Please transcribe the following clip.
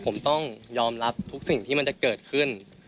ผมต้องยอมรับทุกสิ่งที่มันจะเกิดขึ้น